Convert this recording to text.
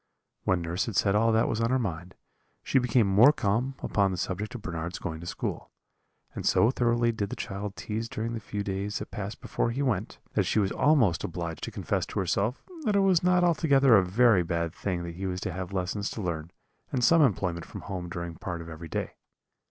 "When nurse had said all that was in her mind, she became more calm upon the subject of Bernard's going to school; and so thoroughly did the child tease during the few days that passed before he went, that she was almost obliged to confess to herself that it was not altogether a very bad thing that he was to have lessons to learn, and some employment from home during part of every day.